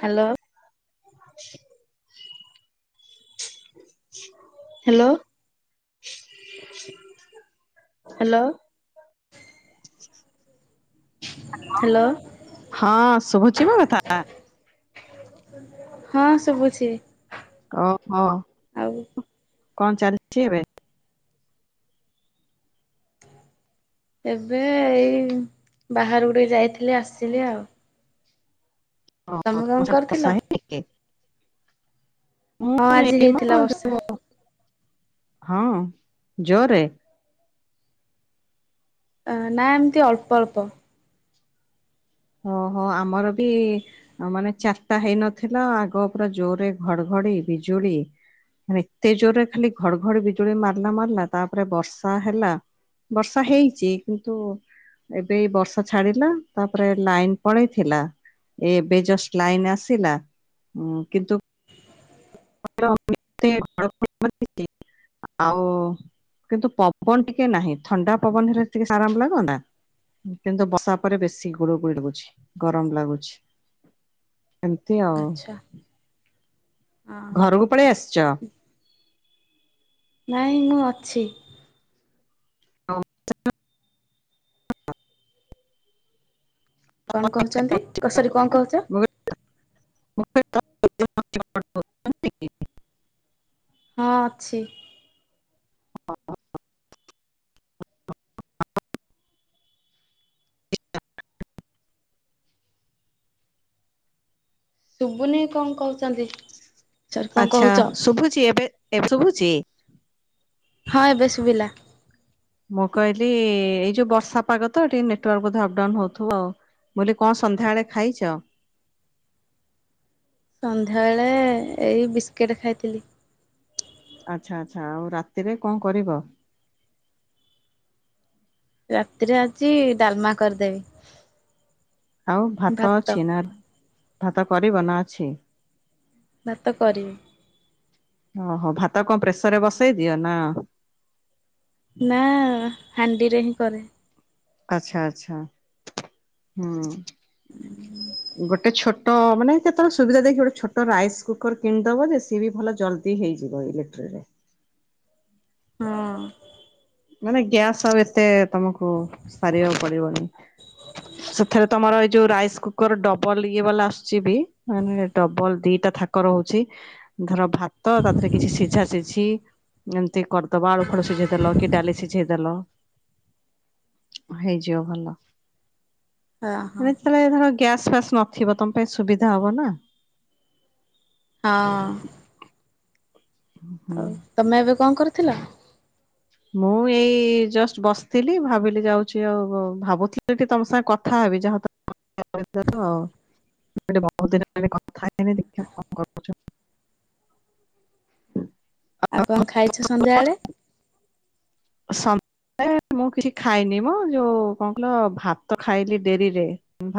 Hello. Hello. Hello. Hello ହଁ ଶୁଭଚି ମୋ କଥା। ହଁ ଶୁଭୁଛି। ଆଉ ଓହୋ କଣ ଚାଲିଛି ଏବେ? ଏବେ ଏଇ ବାହାରକୁ ଟିକେ ଯାଇଥିଲି ଆସିଲି ଆଉ। ଓହୋ ତମେ କଣ ତମ ସିଆଡେ କରିଥିଲ? ବର୍ଷା ହେଇନି କି? ହଁ ଆଜି ହେଇଥିଲା ବର୍ଷା [inaudible] ହଁ ଜୋରେ। ଅ ନା ଏମିତି ଅଳ୍ପ ଅଳ୍ପ। ଓହୋ ଆମର ବି ଆଉ ମାନେ ଚାରିଟା ହେଇନଥିଲା ଆଗ ପୁରା ଜୋରରେ ଘଡଘଡି ବିଜୁଳି ମାନ ଏତେ ଜୋରରେ ଖାଲି ଘଡଘଡି ବିଜୁଳି ମାରିଲା ମାରିଲା ତାପରେ ବର୍ଷା ହେଲା। ବର୍ଷା ହେଇଛି କିନ୍ତୁ, ଏବେ ବର୍ଷା ଛାଡିଲା। ତା ପରେ ଲାଇନ ପଳେଇଥିଲା ଏଇ ଏବେ ଜଷ୍ଟ ଲାଇନ ଆସିଲା। ହୁଁ କିନ୍ତୁ [inaudible] ଆଉ କିନ୍ତୁ ପବନ ଟିକେ ନାହିଁ ଥଣ୍ଡା ପବନ ହେଲେ ଟିକେ ଆରାମ ଲାଗନ୍ତା। କିନ୍ତୁ ବର୍ଷା ପରେ ବେଶୀ ଗୁଳୁଗୁଳି ରହୁଛି, ଗରମ ଲାଗୁଛି ଏମତି ଆଉ। ଆଚ୍ଛା ହଁ। ଘରକୁ ପଳେଇ ଆସିଛ। ନାଇଁ ମୁଁ ଅଛି। କଣ କହୁଛନ୍ତି କ ସରୀ କଣ କହୁଛ। [inaudible] ହଁ ଅଛି। [inaudible] ଶୁବୁନି କଣ କହୁଛନ୍ତି। ସରି କଣ ଆଚ୍ଛା କହୁଛ? ଶୁଭୁଛି ଏବେ ଶୁଭୁଛି। ହଁ ଏବେ ଶୁଭିଲା। ମୁଁ କହିଲି ଏଇ ଯୋଉ ବର୍ଷା ପାଗ ତ ଟିକେ ନେଟୱାର୍କ ବୋଧେ ଅପଡାଉନ ହଉଥିବ ଆଉ। [unintelligible] କଣ ସନ୍ଧ୍ୟାବେଳେ ଖାଇଛ? ସନ୍ଧ୍ୟାବେଳେ ଏଇ ବସ୍କେଟ୍ ଖାଇଥିଲି। ଆଚ୍ଛା ଆଚ୍ଛା ଆଉ ରାତିରେ କଣ କରିବ? ରାତିରେ ଆଜି ଡାଲମା କରିଦେବି। ଆଉ ଭାତ ଅଛି ନା ଭାତ କରିବ ନା ଅଛି? ଭାତ କରିବି। ଓହୋ ଭାତ କଣ ପ୍ରେସର ରେ ବସେଇ ଦିଅ ନା ନା ହାଣ୍ଡିରେ ହିଁ କରେ। ଆଚ୍ଛା ଆଚଛା ହୁଁ ଗୋଟେ ଛୋଟ ତ ମାନେ କେତେବେଳେ ସୁବିଧା ଦେଖି ଗୋଟେ ଛୋଟ ରାଇସ୍ କୁକର କିଣିଦବ ଯେ ସିଏ ବି ଭଲ ଜଲ୍ଦି ହେଇଯିବ ଇଲେକ୍ଟ୍ରରେ। ହଁ ମାନେ ଗ୍ୟାସ୍ ଆଉ ଏତେ ତମକୁ ସାରିବାକୁ ପଡିବନି। ସେଥିରେ ତମର ଏଇ ଯୋଉ ରାଇସ କୁକର ଡବଲ ଇଏ ବାଲା ଆସୁଛି ବି ମେ ଡବଲ ଦିଟା ଥାକ ରହୁଛି। ଧର ଭାତ ତା ଦେହରେ କିଛି ସିଝା ସିଝି ଏମିତି କରିଦବା ଆଳୁ ଫଳୁ ସିଝେଇ ଦେଲ କି ଡାଲି ସିଝେଇ ହେଲୋ ହେଇଯିବ ଭଲ। ହଁ ହଁ ତାଲେ ଧର ଗ୍ୟାସ ଫ୍ୟାସ ନଥିବ ତମ ପାଇଁ ସୁବିଧା ହବ ନା। ହଁ ହୁଁ। ଆଉ ତମେ ଏବେ କଣ କରିଥିଲ? ମୁଁ ଏଇ ଜଷ୍ଟ ବସିଥିଲି ଭାବିଲି ଯାଉଛି ଆଉ ଭାବୁଥିଲି ସେଠି ତମ ସାଙ୍ଗେ କଥା ହବି ଯାହା ଆଉ। ବହୁ ଦିନ କଥା [unintelligible] [unintelligible] ଦ ଆଉ କଣ ଖାଇଛ ସନ୍ଧ୍ୟାବେଳେ?? ସନ୍ଧ୍ୟା ମୁଁ କିଛି ଖାଇନି ମଁ ଯୋଉ କଣ କହିଲ ଭାତ ଖାଇଲି ଡେରିରେ।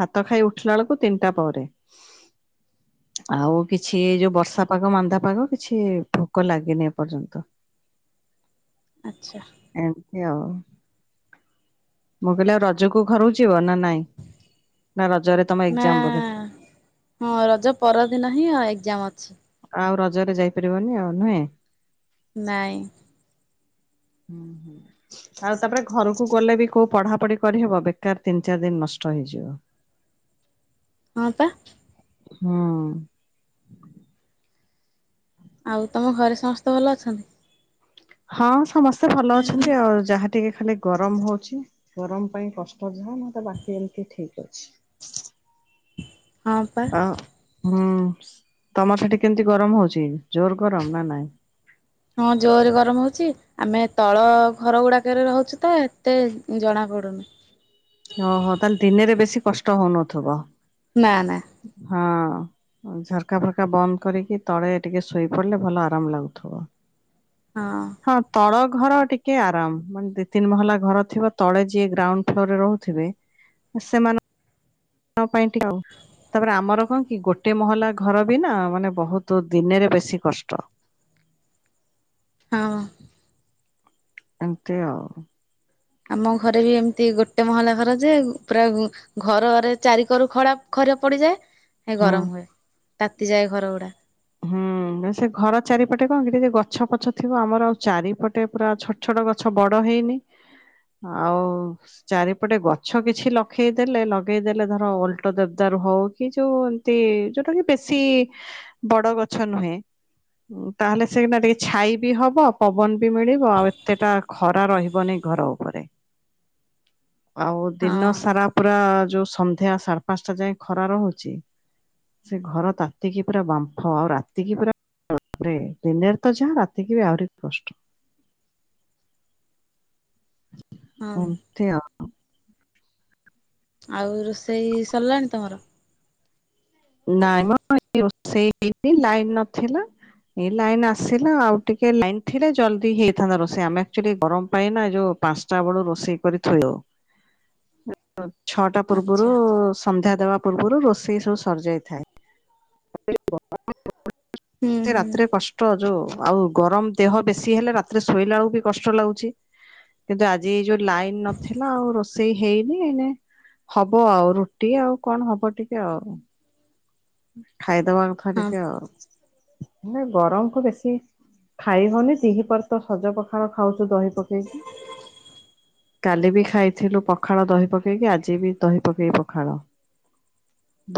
ଭାତ ଖାଇ ଉଠିଲା ବେଳକୁ ତିନିଟା ପରେ। [inaudible] ଆଉ କିଛି ଯୋଉ ବର୍ଷା ପାଗ ମାନ୍ଦା ପାଗ କିଛି ଭୋକ ଲାଗେନି ଏପର୍ଯ୍ୟନ୍ତ। ଆ୍ଛା ଏମିତି ଆଉ। ମୁଁ କହିଲେ ଆଉ ରଜକୁ ଘରୁଛିିବ ନା ନାଇଁ ନା ରଜରେ ତମ ନା ଏକ୍ଜାମ ବୋଧେ ହଁ ରଜ ପରଦିନ ହିଁ ଏକ୍ଜାମ ଅଛି। ଆଉ ରଜରେ ଯାଇପାରିବନି ଆଉ, ନୁହେଁ? ନାଇଁ ନୁହେଁ ଆଉ ତାପରେ ଘରକୁ ଗଲେ ବି କୋଉ ପଢାପଢି କରିହବ ବେକାର ତିନି ଚାରି ଦିନ ନଷ୍ଟ ହେଇଯିବ। ହଁ ପା ହଁ ଆଉ ତମ ଘରେ ସମସ୍ତେ ଭଲ ଅଛନ୍ତି? ହଁ ସମସ୍ତେ ଭଲ ଅଛନ୍ତି ଆଉ। ଯାହା ଟିକେ ଖାଲି ଗରମ ହଉଛି ଗରମ ପାଇଁ କଷ୍ଟ ଯାହା ମେତେ ବାକି ଏମିତି ଠିକ୍ ଅଛି। ହଁ ପା ଆ ହୁଁ ତମର ସେଠି କେମତି ଗରମ ହଉଛି ଜୋର ଗରମ ନା ନାଇଁ? ହଁ ଜୋରରେ ଗରମ ହଉଚି। ଆମେ ତଳ ଘର ଗୁଡାକରେ ରହୁଛୁ ତ ଏତେ ଜଣା ପଡୁନି। ଓହୋ ତାହେଲେ ଦିନେରେ ବେଶୀ କଷ୍ଟ ହଉନଥିବ? ନାଁ ନାଁ ହଁ ଝରକା ଫରକା ବନ୍ଦ କରିକି ତଳେ ଟିକେ ଶୋଇ ପଡିଲେ ଭଲ ଆରାମ ଲାଗୁଥିବ। ହଁ। ହଁ ତଳ ଘର ଟିକେ ଆରାମ। ମାନେ ଦି ତିନି ମହଲା ଘର ଥିବ ତଳେ ଯିଏ ଗ୍ରାଉଣ୍ଡ ଫ୍ଲୋରରେ ରହୁଥିବେ ଉ ସେମାନ ଙ୍କ ପାଇଁ ଟିକେ ଆଉ। ତାପରେ ଆମର କଣ କି ଗୋଟେ ମହଲା ଘର ବି ନା ମାନେ ବହୁତ ଦିନେରେ ବେଶୀ କଷ୍ଟ। ହଁ। ଏମତି ଆଉ। ଆମ ଘରେ ବି ଏମିତି ଗୋଟେ ମହଲା ଘର ଯେ ପୁରା ଘରରେ ଚାରିକରୁ ଖରା ଖରାପ ପଡିଯାଏ। ହୁଁ ଗରମ ହୁଏ। ତାତିଯାଏ ଘର ଗୁଡା। ନାଁ ସେଇ ଘର ଚାରିପଟେ କଣ କି ଟିକେ ଗଛ ପଛ ଥିବ ଆମର ଆଉ ଚାରିପଟେ ପୁରା ଛ ଛୋଟ ଛୋଟ ଗଛ ବଡ ହେଇନି। ଆଉ ଚାରିପଟେ ଗଛ କିଛି ଲଖେଇଦେଲେ ଲଗେଇଦେଲେ ଧର ଅଲଟ ଦେବଦର ହଉ କି ଯୋଉ ତି ଯୋଉଟା କି ବେଶୀ ଁ ବଡ଼ ଗଛ ନୁହେଁ। ଉଁ ତାହେଲେ ସେଟା ଟିକେ ଛାଇ ବି ହବ। ପବନ ବି ମିଳିବ ଆଉ ଏତେଟା ଖରା ରହିବନି ଘର ଉପରେ। ଆଉ ଦିନ ହଁ ସାରା ପୁରା ଯୋଉ ସନ୍ଧ୍ୟା ସାର୍ ପାଞ୍ଚଟା ଯାଏ ଖରା ରହୁଚି ସେ ଘର ତାତିକି ପୁରା ବା ହଁ ଆଉ ରାତିକି ପୁରା ବାପ ରେ ଦିନେରେ ତ ଯାହା ରାତିକି ବି ଆହୁରି କଷ୍ଟ। ହଁ ଏମତି ଆଉ। ଆଉ ରୋଷେଇ ସରିଲାଣି ତମର? ନାଇଁ ମ [unintelligible] ଲାଇନ୍ ନଥିଲା। ଏଇ ଲାଇନ ଆସିଲା ଆଉ ଟିକେ ଲାଇନ ଥିଲେ ଜଲଦି ହେଇଥାନ୍ତା ରୋଷେଇ। ଆମେ ଏକ୍ଚୁଆଲି ଗରମ ପାଇଁ ନା ଯୋଉ ପାଞ୍ଚଟା ବେଳୁ ରୋଷେଇ କରି ଥୋଇଦଉ। ର ଛଅଟା ପୂର୍ବରୁ ଆଚ୍ଛା ସନ୍ଧ୍ୟା ଦବା ପୂର୍ବରୁ ରୋଷେଇ ସବୁ ସରିଯାଇଥାଏ। ହୁଁ [unintelligible] ହୁଁ ରାତି ରେ କଷ୍ଟ୍ ଟ ଯୋଉ ଆଉ ଗରମ ଦେହ ବେଶୀ ହେଲେ ରାତିରେ ଶୋଇଲା ବେଳକୁ ବି କଷ୍ଟ ଲାଗୁଚି। କିନ୍ତୁ ଆଜି ଏଇ ଯୋଉ ଲାଇନ ନଥିଲା ଆଉ ରୋଷେଇ ହେଇନି ଏଇନେ ହବ ଆଉ ରୁଟି ଆଉ କଣ ହବ ଟିକେ ଆଉ। ଖାଇଦବାକୁ ହଁ ଧରିକି ଆଉ ନାଇଁ ଗରମ ତ ବେଶୀ। ଖାଇ ହଉନି ଦିହି ପହର ତ ସଜ ପଖାଳ ଖାଉଚୁ ଦହି ପକେଇକି। କାଲି ବି ଖାଇଥିଲୁ ପଖାଳ ଦହି ପକେଇକି, ଆଜି ବି ଦହି ପକେଇକି ପଖାଳ।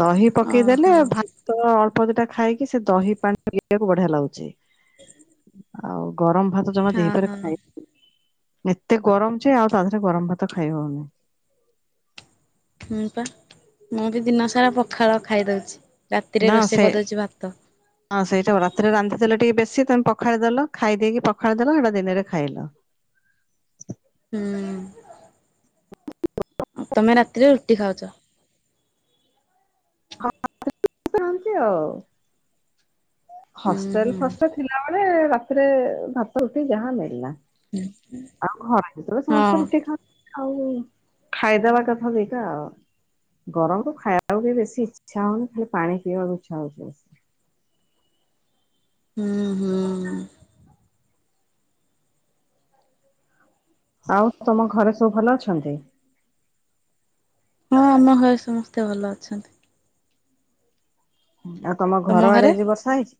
ଦହି ପକେଇଦେଲେ ଓହୋ ଭାତ ଅଳ୍ପ ଦିଟା ଖାଇକି ସେ ଦହି ପାଣି ପିଇବାକୁ ବଢିଆ ଲାଗୁଚି। ଆଉ ଗରମ ଭାତ ଜମା ହଁ ଦେଇପାରେ ହଁ ଖାଇି ଏତେ ଗରମଜେ ଆଉ ତା ଦେହରେ ଗରମ ଭାତ ଖାଇ ହଉନି। ହୁଁ ପା ମୁଁ ବି ଦିନ ସାରା ପଖାଳ ଖାଇଦଉଚି। ରାତିରେ ନା ରୋଷେଇ ସେ କରିଦଉଚି ଭାତ। ହଁ ସେଇଟା। ରାତିରେ ରାନ୍ଧିଦେଲ ଟିକେ ବେଶୀ ତମେ ପଖାଳ ଦେଲ ଖାଇ ଦେଇକି ପଖାଳି ଦେଲ ସେଇଟା ଦିନରେ ଖାଇଲ। ହୁଁ। ଆଉ ତମେ ରାତିରେ ରୁଟି ଖାଉଚ? [unintelligible] ସେମିତି ଆଉ। ହୁଁ ହଷ୍ଟେଲ ହୁଁ ଫଷ୍ଟେଲ ଥିଲାବେଳେ ରାତିରେ ଭାତ ରୁଟି ଯାହା ନେଲା। ଆଉ ଘରେ ଭିତବେ ହଁ ସମସ୍ତେ ରୁଟି ଖାଉ ଆଉ ଖାଇଦବା କଥା ଦିଟା। ଗରମକୁ ଖାଇବାକୁ ବି ବେଶୀ ଇଚ୍ଛା ହଉନି ଖାଲି ପାଣି ପିଇବାକୁ ଇଚ୍ଛା ହଉଛି ବେଶି। ହୁଁ ହୁଁ। ଆଉ ତମ ଘରେ ସବୁ ଭଲ ଅଛନ୍ତି? ହଁ ଆମ ଘରେ ସମସ୍ତେ ଭଲ ଅଛନ୍ତି। ଆଉ ତମ ଘର ଆଡେ ଆଜି ବର୍ଷା ହେଇଚି?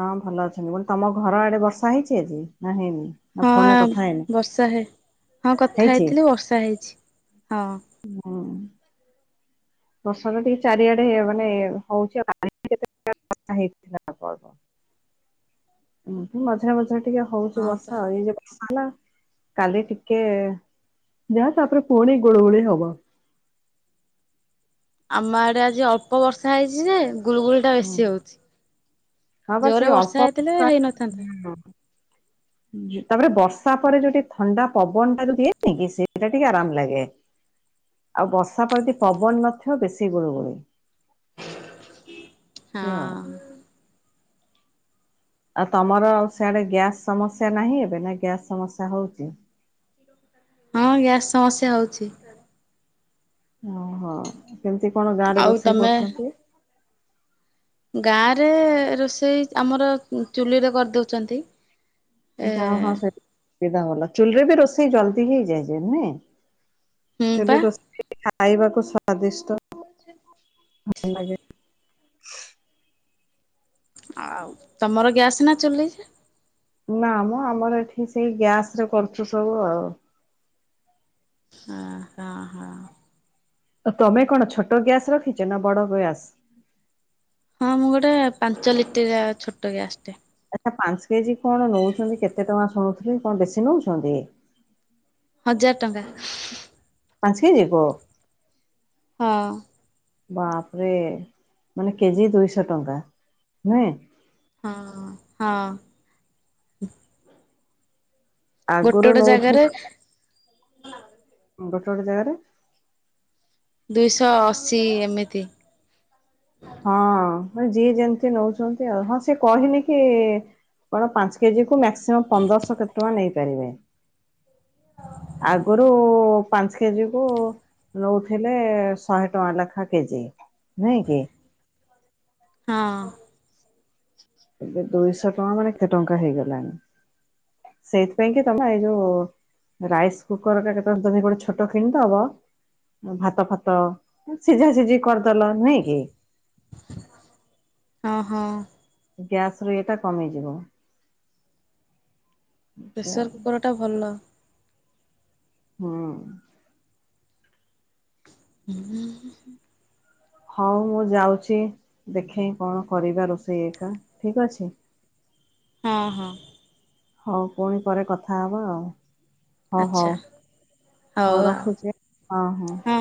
ହଁ ଭଲ ଅଛନ୍ତି, ମୁଁ କହିଲି ତମ ଘର ଆଡେ ବର୍ଷା ହେଇଛି ଆଜି ନା ହେଇନି? ନା ଫୋନରେ ହଁ କଥା ହେଇନି? ବର୍ଷା ହେ ହଁ କଥା ହେଇଛି ହେଇଥିଲି ବର୍ଷା ହେଇଛି ହଁ। ହୁଁ। ବର୍ଷା ତ ଟିକେ ଚାରିଆଡେ ମାନେ ହଉଚି, [unintelligible] ବର୍ଷା ହେଇଥିଲା ଅଳ୍ପ ଅଳ୍ପ, ଏମତି ମଝିରେ ମଝିରେ ଟିକେ ହଉଛି ହଁ ପା ବର୍ଷା ଏଇ ଯୋଉ ବର୍ଷା ହେଲା କାଲି ଟିକେ ଯାହା ତାପରେ ପୁଣି ଗୁଳୁଗୁଳି ହବ। ଆମ ଆଡେ ଆଜି ଅଳ୍ପ ବର୍ଷା ହେଇଛି ଯେ ଗୁଳୁଗୁଳି ହୁଁ ବେଶୀ ହଉଚି, ବା ସେଇ ଜୋରରେ ଅଳ୍ପ ବର୍ଷା ହେଇଥିଲେ ହେଇନଥାନ୍ତା। ହଁ। ତାପରେ ବର୍ଷା ପରେ ଯୋଉଠି ଥଣ୍ଡା ପବନ ଟା ଦିଏନି କି ସେଇଟା ଟିକେ ଆରାମ ଲାଗେ। ଆଉ ବର୍ଷା ପ୍ରଦି ପବନ ନଥିବ ବେଶୀ ଗୁଳୁଗୁଳି। ଏଇଆ ଆଉ। ହଁ। ଆଉ ତମର ସେଆଡେ ଗ୍ୟାସ ସମସ୍ୟା ନାହିଁ ଏବେ ନା ଗ୍ୟାସ ସମସ୍ୟା ହଉଚି। ହଁ ଗ୍ୟାସ ସମସ୍ୟା ହଉଚି। ଓହୋ, କେମିତି କଣ ଗାଁ ରେ ଆଉ ରୋଷେଇ ତମେ କରୁଛନ୍ତି? ଗାଁରେ ରୋଷେଇ ଆମର ଚୁଲିରେ କରିଦଉଛନ୍ତି। ଏ ଯାହା ହ ସେ ସୁବିଧା ଭଲ ଚୁଲିରେ ବି ରୋଷେଇ ଜଲଦି ହେଇଯାଏ ଯେ ନୁହେଁ। ହୁଁ ପା ଚୁଲି ରୋଷେଇ ଖାଇବାକୁ ସ୍ଵାଦିଷ୍ଟ। ଆଛା। ଲାଗେ। ଆଉ ତମର ଗ୍ୟାସ ନା ଚୁଲି? ନା ମ ଆମର ଏଠି ସେଇ ଗ୍ୟାସ ରେ କରୁଛୁ ସବୁ ଆଉ। ହଁ ହଁ ହଁ। ଆ ତମେ କଣ ଛୋଟ ଗ୍ୟାସ ରଖିଛ ନା ବଡ ଗ୍ୟାସ? ହଁ ମୁଁ ଗୋଟେ ପାଞ୍ଚ ଲିଟଟିଆ ଛୋଟ ଗ୍ୟାସ ଟେ। ଆଚ୍ଛା ପାଞ୍ଚ କେଜି କଣ ନଉଛନ୍ତି କେତେ ଟଙ୍କା ଶୁଣୁଥିଲି କଣ ବେଶୀ ନଉଛନ୍ତି? ହଜାରଟଙ୍କା। ପାଞ୍ଚ କେଜିକୁ। ହଁ। ବାପରେ ମାନେ କେଜି ଦୁଇଶହ ଟଙ୍କା ନୁହେଁ। ହଁ ହଁ। ଗୋଟେ ଆଗରୁ ଗୋଟେ ନଉଥିଲି ଜାଗାରେ ଗୋଟେ ଗୋଟେ ଜାଗାରେ ଦୁଇଶହ ଅଶୀ ଏମିତି। ହଁ ଯିଏ ଯେମିତି ନଉଛନ୍ତି ଆଉ ହଁ ସେ କହିନି କି କଣ ପାଞ୍ଚ କେଜି ମ୍ୟାକ୍ସିମମ ପନ୍ଦରଶହ କେତେ ଟଙ୍କା ନେଇପାରିବେ। ସ ଆଗରୁ ପାଁଛେ କେଁ ଯିବୁ। ନଉଥିଲେ ଶହେ ଟଙ୍କା ଲେଖା କେଜି ନୁହେଁ କି ହଁ। ଏବେ ଦୁଇଶହ ଟଙ୍କା ମାନେ ଏତେ ଟଙ୍କା ହେଇଗଲାଣି। ସେଇଥିପାଇଁ କି ତମେ ଭାଇ ଯଉଁ। ରାଇସ୍ କୁକର ଟା କେତେବେଳେ ତମେ ଗୋଟେ ଛୋଟ କିଣିଦବ। ଭାତ ଫାତ ସିଝା ସିଝି କରିଦେଲ ନୁହେଁ କି। ହଁ ହଁ। ଗ୍ୟାସ ର ଏଇଟା କମିଯିବ। ପ୍ରେସର୍ କୁକର୍ଟା ଭଲ। ହୁଁ। ଉଁହୁଁ ହୁଁ। ହଁ ମୁଁ ଯାଉଛି ଦେଖେଇ କଣ କରିବା ରୋଷେଇ ଏକା ଠିକ ଅଛି? ହଁ ହଁ। ହଉ ପୁଣି ପରେ କଥା ହେବା ଆଉ। ଓ ହଉ ଆଚ୍ଛା ହଉ ରଖୁଛି ଆଁ ହଁ ହଁ।